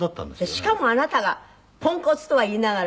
しかもあなたがポンコツとは言いながら。